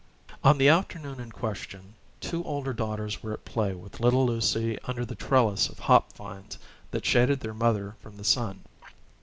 On the afternoon in question two older daughters were at play with little Lucy under the trellis of hop vines that shaded their mother from the sun.